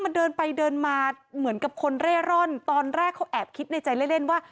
มันเดินไปเดินมาเหมือนกับคนเร่ร่อนตอนแรกเขาแอบคิดในใจเล่นเล่นว่า